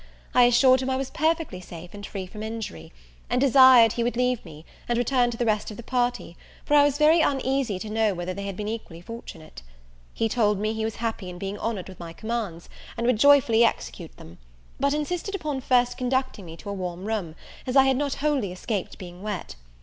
I assured him I was perfectly safe, and free from injury; and desired he would leave me, and return to the rest of the party, for I was very uneasy to know whether they had been equally fortunate. He told me he was happy in being honoured with my commands, and would joyfully execute them; but insisted upon first conducting me to a warm room, as I had not wholly escaped being wet.